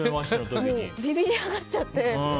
ビビりあがっちゃって。